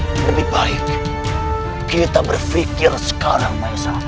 lebih baik kita berfikir sekarang mahesha